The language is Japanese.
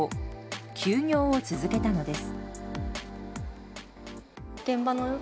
休業を続けたのです。